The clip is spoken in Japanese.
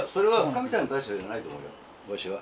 わしは。